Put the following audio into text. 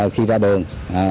khi ra đường